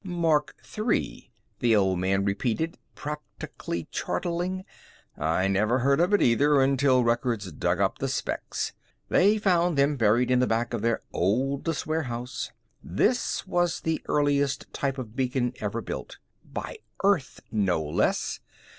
"Mark III," the Old Man repeated, practically chortling. "I never heard of it either until Records dug up the specs. They found them buried in the back of their oldest warehouse. This was the earliest type of beacon ever built by Earth, no less.